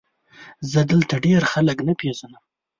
زه دلته ډېر خلک نه پېژنم ؟